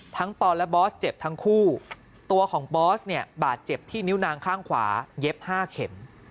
ปอนและบอสเจ็บทั้งคู่ตัวของบอสเนี่ยบาดเจ็บที่นิ้วนางข้างขวาเย็บ๕เข็ม